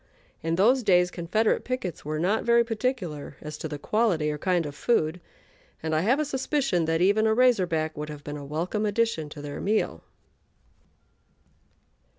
In those days Confederate pickets were not very particular as to the quality or kind of food, and I have a suspicion that even a "Razor Back" would have been a welcome addition to their meal.